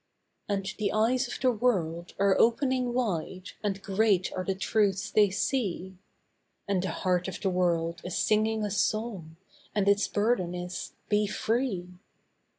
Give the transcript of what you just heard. And the eyes of the world are opening wide, and great are the truths they see; And the heart of the world is singing a song, and its burden is 'Be free!